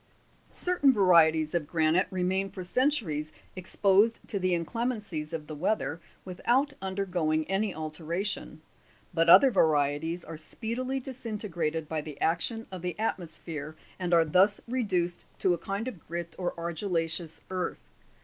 Certain varieties of granite remain for centuries exposed to the inclemencies of the weather without undergoing any alteration ; but other varieties are speedily disintegrated by the action of the atmosphere, and are thus reduced to a kind of grit or argilla'ceous earth.